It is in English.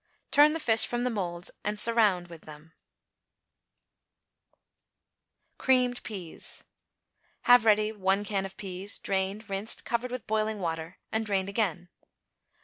Turn the fish from the moulds and surround with the =Creamed Peas.= Have ready one can of peas, drained, rinsed, covered with boiling water and drained again.